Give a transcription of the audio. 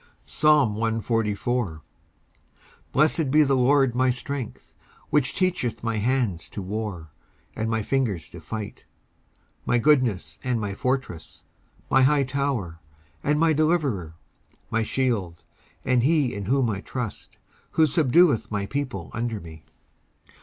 19:144:001 Blessed be the LORD my strength which teacheth my hands to war, and my fingers to fight: 19:144:002 My goodness, and my fortress; my high tower, and my deliverer; my shield, and he in whom I trust; who subdueth my people under me.